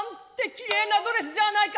きれいなドレスじゃあないか」。